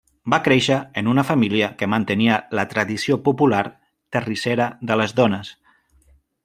Va créixer en una família que mantenia la tradició popular terrissera de les dones.